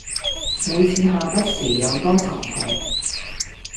每次下筆時有多沉重